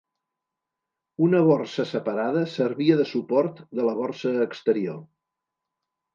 Una borsa separada servia de suport de la borsa exterior.